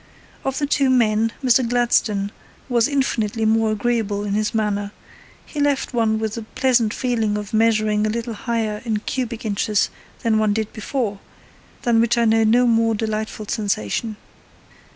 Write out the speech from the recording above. Of the two men, Mr. Gladstone was infinitely more agreeable in his manner, he left one with the pleasant feeling of measuring a little higher in cubic inches than one did before, than which I know no more delightful sensation.